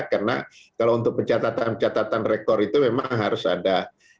karena kalau untuk pencatatan pencatatan rekor itu memang harus ada